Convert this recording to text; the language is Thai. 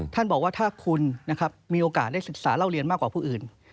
ท่านบอกว่าถ้าคุณนะครับมีโอกาสได้ศึกษาเล่าเรียนมากกว่าผู้อื่น